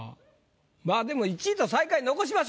まあでも１位と最下位残しましょう。